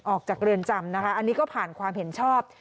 ออกจากเรือนจำนะคะอันนี้ก็ผ่านความเห็นชอบ